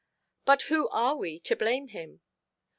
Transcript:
But who are we to blame him?